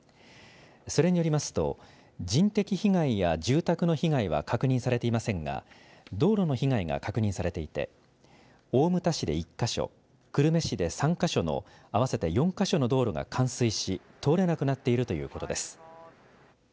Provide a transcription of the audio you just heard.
それによりますと、人的被害や住宅の被害は確認されていませんが道路の被害が確認されていて大牟田市で１か所久留米市で３か所の合わせて４か所の道路が冠水し通れなくなっているということです。